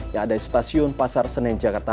yang ada di stasiun pasar senen jakarta